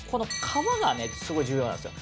皮がすごい重要なんですよ。